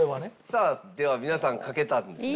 さあでは皆さん書けたんですね。